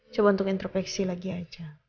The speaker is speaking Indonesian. coba untuk interpeksi lagi aja